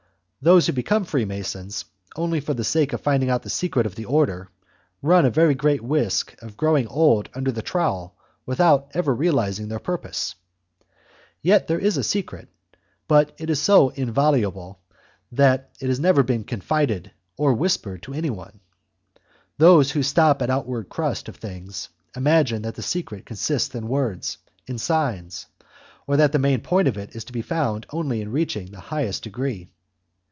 Those who become Freemasons only for the sake of finding out the secret of the order, run a very great risk of growing old under the trowel without ever realizing their purpose. Yet there is a secret, but it is so inviolable that it has never been confided or whispered to anyone. Those who stop at the outward crust of things imagine that the secret consists in words, in signs, or that the main point of it is to be found only in reaching the highest degree.